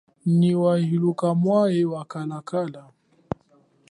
Nyi wa hiluka mwehe wa kalakala.